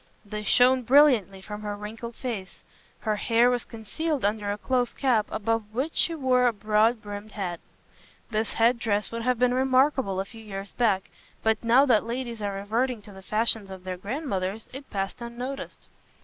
They shone brilliantly from her wrinkled face. Her hair was concealed under a close cap, above which she wore a broad brimmed hat. This head dress would have been remarkable a few years back, but now that ladies are reverting to the fashions of their grandmothers, it passed unnoticed.